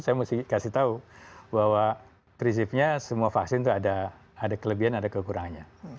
saya mesti kasih tahu bahwa prinsipnya semua vaksin itu ada kelebihan ada kekurangannya